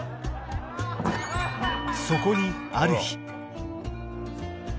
そこにある日